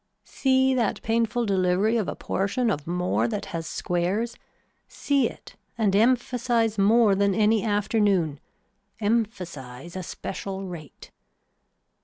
See that painful delivery of a portion of more that has squares, see it and emphasize more than any afternoon, emphasize a special rate.